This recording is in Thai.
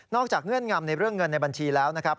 เงื่อนงำในเรื่องเงินในบัญชีแล้วนะครับ